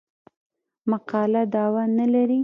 مقاله دعوا نه لري.